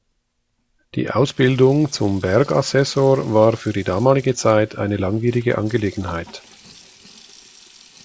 Die Ausbildung zum Bergassessor war für die damalige Zeit eine langwierige Angelegenheit.